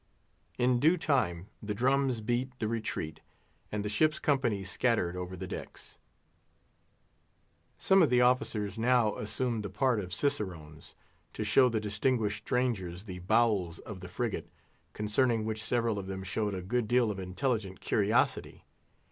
In due time the drums beat the retreat, and the ship's company scattered over the decks. Some of the officers now assumed the part of cicerones, to show the distinguished strangers the bowels of the frigate, concerning which several of them showed a good deal of intelligent curiosity.